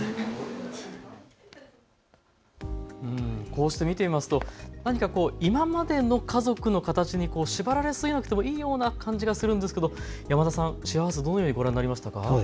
こうして見てみますと何かこう今までの家族の形に縛られすぎなくてもいいような感じがするんですけど山田さん、シェアハウスどのようにご覧になりましたか。